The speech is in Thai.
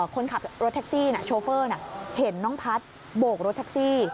คนขับรถแท็กซี่โชเฟอร์เห็นน้องพัฒน์โบกรถแท็กซี่